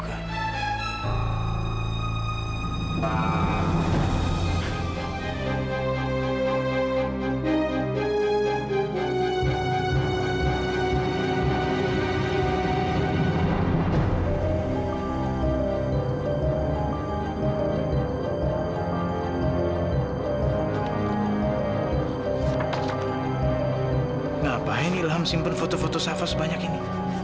kenapa ini ilham simpen foto foto sava sebanyak ini